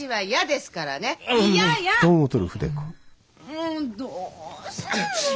もうどうするのよ！